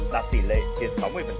đạt tỷ lệ trên sáu mươi